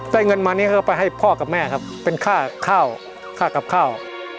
เงินมานี้ก็ไปให้พ่อกับแม่ครับเป็นค่าข้าวค่ากับข้าว